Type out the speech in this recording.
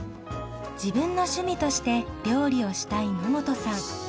自分の趣味として料理をしたい野本さん。